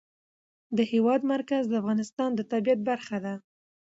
د هېواد مرکز د افغانستان د طبیعت برخه ده.